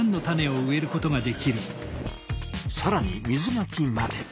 さらに水まきまで！